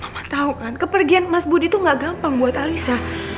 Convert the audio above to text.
aku tahu kan kepergian mas budi itu gak gampang buat alisa